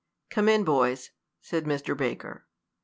"Come in, boys," said Mr. Baker.